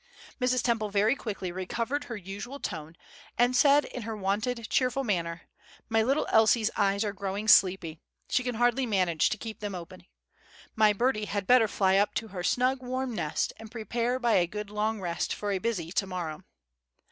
Mrs. Temple very quickly recovered her usual tone, and said in her wonted cheerful manner, "My little Elsie's eyes are growing sleepy, she can hardly manage to keep them open! My birdie had better fly up to her snug warm nest, and prepare by a good long rest for a busy to morrow."